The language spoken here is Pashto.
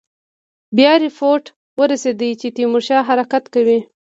بیا رپوټ ورسېد چې تیمورشاه حرکت کوي.